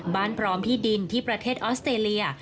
พร้อมที่ดินที่ประเทศออสเตรเลีย